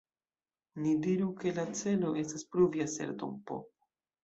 Ni diru, ke la celo estas pruvi aserton "p".